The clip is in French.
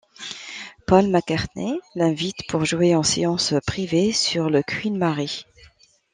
Paul McCartney l'invite pour jouer en séance privée sur le Queen Mary.